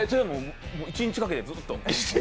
一日かけてずっと。